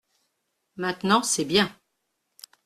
Maintenant c’est bien.